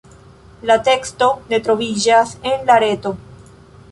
La teksto ne troviĝas en la reto.